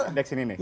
indeks ini nih